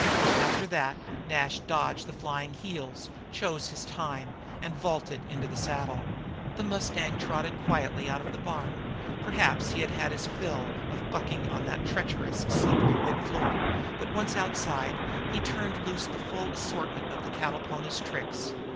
After that Nash dodged the flying heels, chose his time, and vaulted into the saddle. The mustang trotted quietly out of the barn. Perhaps he had had his fill of bucking on that treacherous, slippery wooden floor, but once outside he turned loose the full assortment of the cattle pony's tricks.